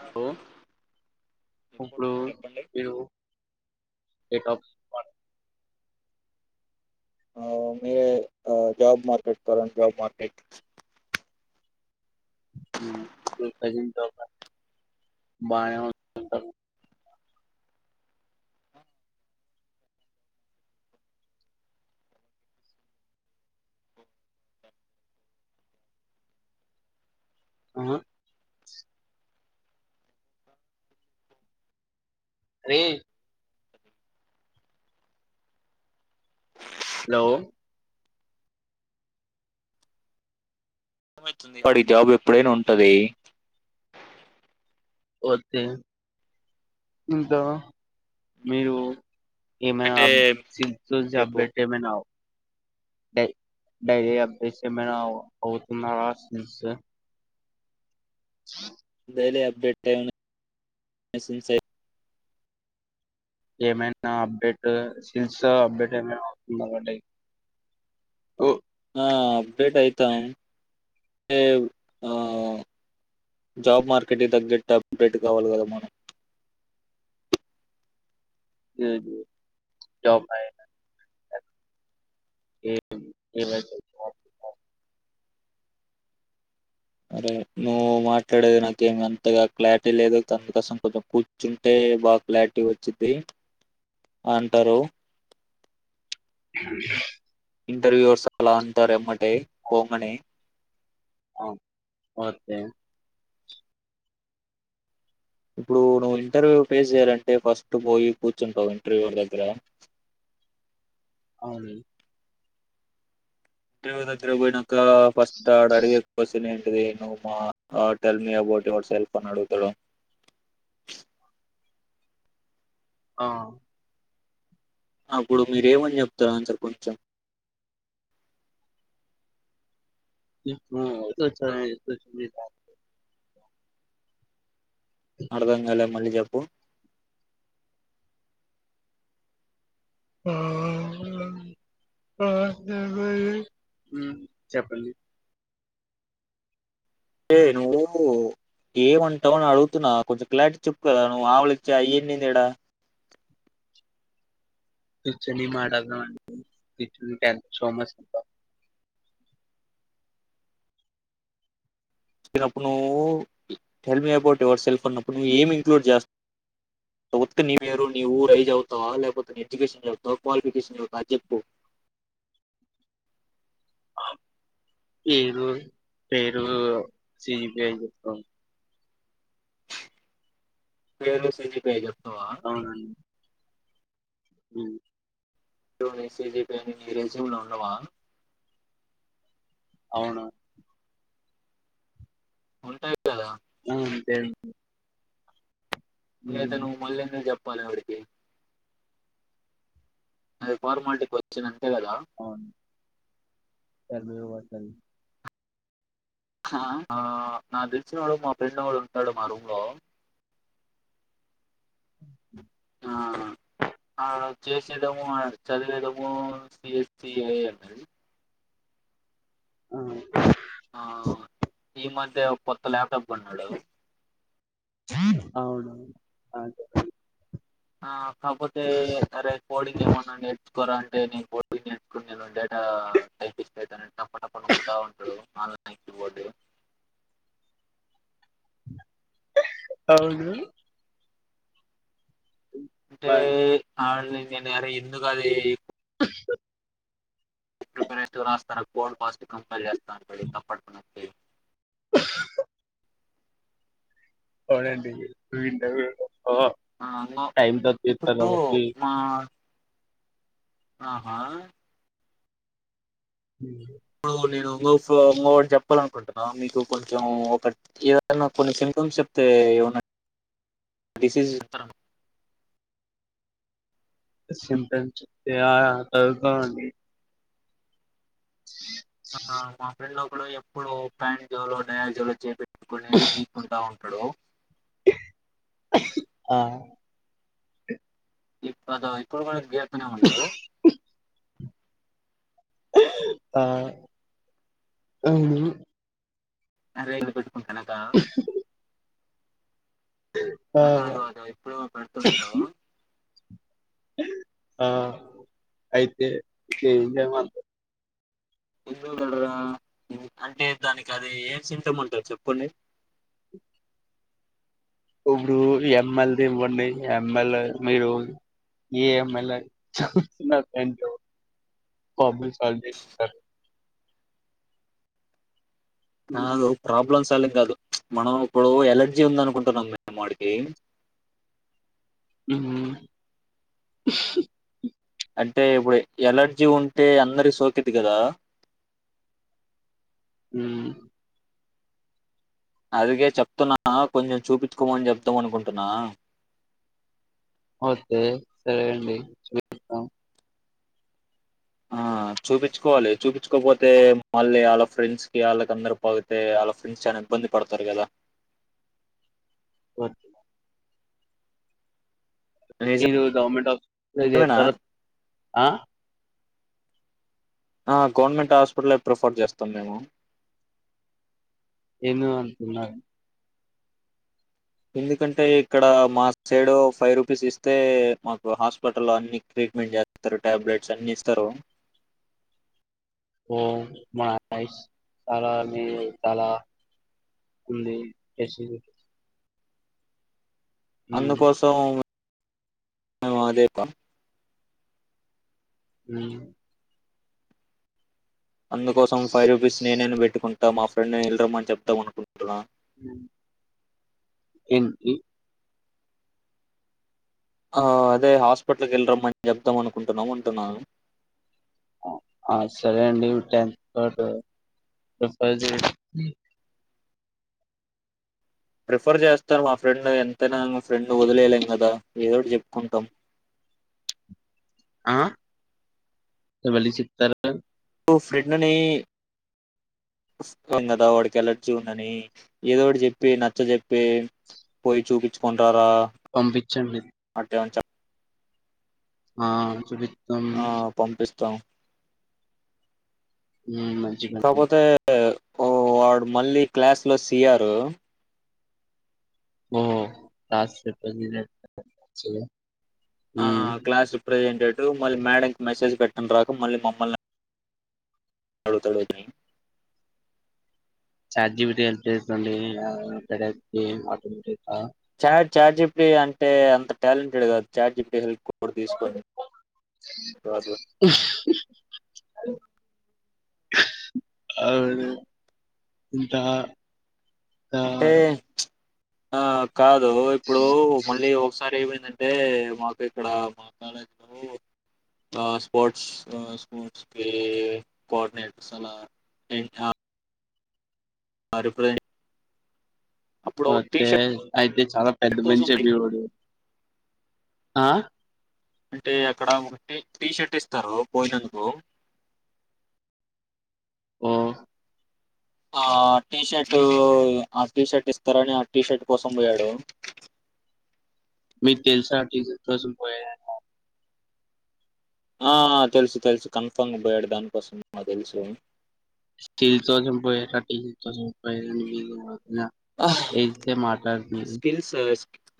హఓ ఒకప్పుడు వినపడుతుంది చెప్పండి ఎకా మ జాబ్ మార్కెట్ కరం జాబ్ మార్కెట్ ఇ దర బయా ఆ రే హలో వాడి జాబ్ ఎప్పుడైనా ఉంటది వస్తే ఇంకా మీరు ఏమె అ అంటే సి చెప్పు జబ్బెటేమ నా డైలీ అప్డేట్స్ ఏమైనా అవుతున్నారాస్ చె డైలీ అప్డేట్ ఏమైనా అప్డేట్ స్కిల్స్ అప్డేట్ ఏమైనా అందిండి ఆ అప్డేట్ అయితం అంటే ఆ జాబ్ మార్కెట్కి తగ్గట్టు అప్డేట్ కావాలి కదా మనం జాబ్ [inaudible] అరే నువ్వు మాట్లాడేది నాకేమి అంతగా క్లారిటీ లేదు తనకోసం కొంచెం కూర్చుంటే బాగా క్లారిటీ వచ్చింది అంటారు [inaudible] ఇంటర్వ్యూస్ అట్లాని తరేమ్మటే పోంగనే అ ఓకే ఇప్పుడు నువ్వు ఇంటర్వ్యూ ఫేస్ చేయాలంటే ఫస్ట్ పోయి కూర్చుంటావు ఇంటర్వ్యూ దగ్గర అని [unintelligible] కా ఫస్ట్ ఆడ అడిగే క్వశ్చనే రేణు మా అ tell me about yourself అని అడుగుతడు ఆ అప్పుడు మీరు ఏమని చెప్తారాన్సర్ కొంచెం [unintelligible] అర్ధంకాలే మల్లి చేప్పు [unintelligible] ఎహ్ నువ్వు ఏమంటావు అని అడుగుతున్నా కొంచెం క్లారిటీ చెప్పు కదా నువ్వు ఆవళఇంచ్చా అయ్యేంది ఇడా [unintelligible] చినప్పుడు నువ్వు tell me about yourself అన్నప్పుడు నువ్వు ఏమి ఇంక్లూడ్ చే స్తా ఉత్తి నీపేరు నీ ఊరు ఐజప్తాతావా లేకపోతే నీ ఎడ్యుకేషన్ చవుతావా క్వాలిఫికేషన్ చాప్తావా అది చెప్పు పేరు పేరు సిపిఎ అని చెప్తామ్ పేరు సిజిపిఎ చెప్ అవునండి ఉం నీ సిజీపీఎ అని నీ రెజ్యూమ్ లో ఉండవా అవునా ఉంటాయ్ [inaudible] ఎందుకు అయితే నువ్వు మళ్ళీ ఎందుకు చెప్ ప్పాల డికి అది ఫార్మాలిటీ క్వశ్చన్ తే లేదా [unintelligible] ఆ నాకు తెలిసిన వాడు మా ఫ్రెండ్ ఒగడు ఉంటాడు మా రూమ్ లో [inaudible] ఆ చేసేదేమో చదివెదేము సిఎస్సి ఎ ఐ ది ఆ ఆ ఈ మధ కొత్త ల్యాప్టాప్ కొన్నాడు అవును అంతే ఆ కాపోతే అరేయ్ కోడింగ్ ఏమన్నా నేర్చుకోరా అ టే నేను కోడింగ్ నేర్చుకునిదుంటే గా టైపిస్ట్ అయితానని టప్ప టప్ప నొక్కుతా ఉంటాడు ఆన్లైన్ కీ బోర్డు అవును. అంటే మరి ఆడిదే అరే ఎందుకది. [inaudible] [unintelligible] రాస్తాను కోల్డ్ పాజటివ్ కంపేర్ చేస్తారు. [inaudible] అవునండి వీడ్ ఇంటర్వ్యూలో ఆ అన్నా ఇప్పుడూ కాబట్టి మా ఆహా ఉ ఇప్పుడు నేను ఒంగో ఒంగోటి చెప్పాలనుకుంటున్నా మీకు కొంచెం ఒక ఏదన్న కొన్ని సింప్టన్ చెప్తే ఏమన్నా డిసీస్ సింప్టన్స్ [inaudible] ఆ మా ఫ్రెండ్ ఒ ఇప్పుడు ఎప్పుడో ప్యాంట్ జోలో డయాల్ జో చే ఇక్కడ నుండి తీసుకుంటా ఉంటడు. ఆ ఇప్పుద ఇప్పుడు గుడ గే [inaudible] ఉండు ఆ అవును. అరేయ్ కనకా ఆ అదో ఆ అదో అదో ఇప్పుడే ఏమో పడుతున్నడు ఆ అయితే ఇగ ఏం చెయ్ మంటావ్ అంటే దానికది ఏం సింటమ్ ఉంటది చెప్పండి. ఇప్పుడు ఎమ్మెల్ది ఇవ్వండి ఎమ్మెలె మీరు ఏ ఎమ్మెలే చూస్తున్న ప్రాబ్లం సాల్వ్ చేస్తారు. నాలో ప్రాబ్లమ్స్ రాలే కాదు మనం ఇప్పుడు ఎలర్జీ ఉందనుకుంటున్నాం మేము వాడికి మ్ అంటే ఇప్పుడు ఎలర్జీ ఉంటే అందరికి సోకిది కదా హ్మ్ అందుకే చెప్తున్నా కొంచెం చూపించుకోమని చెప్దాం అనుకుంటున్నా ఓతే సరే అండి చూపిస్తాం. ఆ చూపించుకోవాలి చూపించుకోపోతే మళ్ళీ ఆళ్ళ ఫ్రెండ్స్కి ఆళ్ళకి అందర్కి పాకితే వాళ్ళ ఫ్రెండ్స్ చాలా ఇబ్బంది పడతారు కదా ఓకే ఈరోజు గవర్నమెంట్ నిజమేనా హాస్పి [inaudible] ఆ ఆ గవర్నమెంట్ హాస్పిటల్ ప్రిఫర్ చేస్తాం మేము ఏందో అంటున్నారు. ఎందుకంటే ఇక్కడ మా సైడు ఫైవ్ రూపీస్ ఇస్తే మాకు హాస్పిటల్లో అన్ని ట్రీట్మెంట్ చేస్తారు టాబ్లెట్స్ అన్ని ఇస్తారు. ఓ చాలా చాలా ఉంది. ఉమ్ అందుకోసం మేం అదేపా హ్మ్ అందుకోసం ఫైవ్ రూపీస్ నేనే న్ పెట్టుకుం ట మా ఫ్రెండ్ ని వెల్లరమ్మని చెప్తాం అనుకుంటున్నా మ్మ్ ఎన్ ది ఆ అదే హాస్పిటల్ కి వెళ్ళిరమ్మని చెప్దాం అనుకుంటున్నాం అంటున్నా ఆ సరే అండి ట్రంప్ కార్డ్ ప్రిఫర్ జేసి ప్రిఫర్ చేస్తారు మా ఫ్రెండ్ ఎంతైనా మా ఫ్రెండ్ వదిలేయలేం కదా ఏదోటి జెప్పుకుంటాం ఆ సవలి చిత్తర మా ఫ్రెండ్ ని ఉస్తాం గదా వాడికి ఎలర్జీ ఉందని ఏదోటి చెప్పి నచ్చ జెప్పి పోయి చూపించుకుని రారా పంపిచ్చండి ఆ చూడి ఆ పంపిస్తాం ఉమ్ మంచిగా కాబోతే ఓ వాడు మళ్ళీ క్లాస్ లో సీఆర్ ఓ రాసి బె నెచ్చే ఆ క్లాస్ రిప్రెజెంటెడ్ నీవు మళ్ళీ మేడంకి మెసేజ్ పెట్టం రాక మళ్ళీ మమ్మల్ని అడుతాడో అని చాడ్జి పి టి హెల్ప్ జేస్సుంది లే అంతగైతే అతనికి Chad ChatGPT అంటే అంత టాలెంటెడ్ కాదు చాట్ జీపిటి అసల్ కు ఇప్పుడు తీసుకుని కాదు అవదు ఇంత ఆ అంటే ఆ కాదు ఇప్పుడు మళ్ళీ ఒకసారి ఏమైన్ ఎందంటే మాకు ఇక్కడ మా కాలేజ్ లో ఆ స్పోర్ట్స్ ఆ స్పొర్ట్స్ కి కోఆర్డినేటర్స్ అలా ఇంక అ రిప్రజెంట్ అప్పుడు టీ వోతే అయితే చాలా పెద్ద షర్ట్ కోసం మంచి మీ వోడు ఆ అంటే అక్కడ ఒక టీషర్ట్ ఇస్తారు పోయినందుకు ఓ ఆ టీ షర్ట్ ఆ టీ షర్ట్ ఇస్తారని ఆ టీ షర్ట్ కోసం బోయాడు మీకు తెల్సా టీ షర్ట్ డ్రస్సులు పోయాయని ఆ తెలుసు తెలుసు కన్ఫామ్ గా బోయాడు దానికోసం నాకుదెలుసు టీ [unintelligible] ఇంగ తెల్సే మాట్లాడుకుందు స్కిల్స్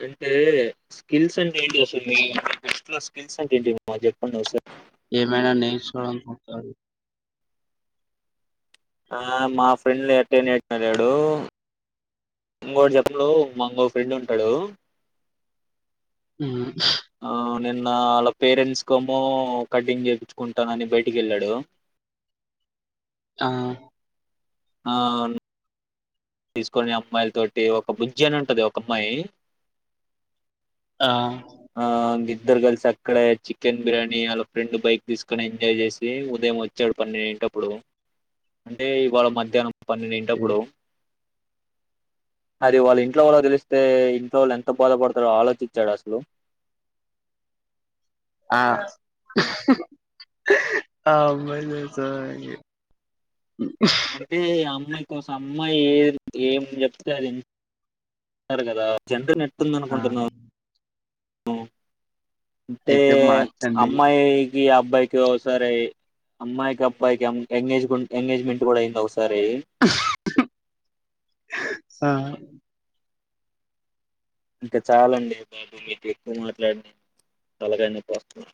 అంటే స్కిల్స్ అంటే ఏంటిది అస్సల్ మీ బెస్ట్ లో స్కిల్స్ అంటే ఏంటి మా చెప్పండి ఓసార్ ఏమైన నేచుకోవడం వచ్చాది. ఆ మా ఫ్రెండ్ ఎట్టైన [unintelligible] ఎళ్ళాడు, ఇంగో [unintelligible] మాంగో ఫ్రెండ్ ఉంటడు. హు నిన్న ఆళ్ళ పేరెంట్స్ కోంమ్మో కటింగ్ చేపించుకుంటానని బయటికి ఎళ్ళాడు. అ ఆ న్ తీసుకొని అమ్మాయిల్ తోటి ఒక బుజ్జి అని ఉంటది ఒక అమ్మాయి ఆ ఆ గిద్దరు కలిసి అక్కడే చికెన్ బిర్యానీ ఆళ్ళ ఫ్రెండ్ బైక్ తీసుకొని ఎంజాయ్ చేసి ఉదయం వచ్చాడు. పన్ని ఏంటప్పుడు, అంటే ఇవాళ మధ్యానం పన్నిన్ ఇంటప్పుడు అది వాళ్ళ ఇంట్లో వాళ్ళవు తెలిస్తే ఇంట్లో వాళ్ళు ఎంత బాధపడతారో ఆలోచించాడస్ హలో ఆ, ఆ అమ్మాయిను [unintelligible] అంటే అమ్మాయి కోసం అమ్మాయి ఏది ఏం చెప్తే అది, టారు కదా. [unintelligible] తుందన్ ఆ అనుకుంటునవ హు అంటే అయితే ప్చ్ మార్చండి అమ్మాయి కి అబ్బాయికి ఒ సారే, అమ్మాయికి అబ్బాయికి ఎం ఎంగేజ్ గుంట్ ఎంగేజ్ మెం గుడా అయింది ఒకసారి ఆ ఇంక చాలండి, మీకు మీకు ఎక్కువ మాట్లాన్న తలకాయ నొప్పి వొస్త